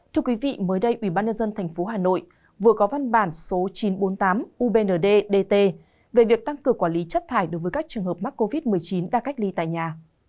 thưa quý vị mới đây ubnd tp hà nội vừa có văn bản số chín trăm bốn mươi tám ubndd về việc tăng cường quản lý chất thải đối với các trường hợp mắc covid một mươi chín đang cách ly tại nhà